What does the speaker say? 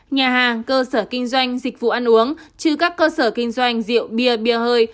nhà hàng cơ sở kinh doanh dịch vụ ăn uống trừ các cơ sở kinh doanh rượu bia bia hơi